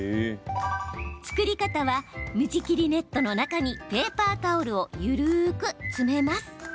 作り方は、水切りネットの中にペーパータオルを緩く詰めます。